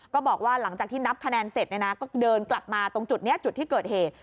ก็บอกว่าหลังจากที่นับคะแนนเสร็จก็เดินกลับมาตรงจุดนี้จุดที่เกิดเหตุ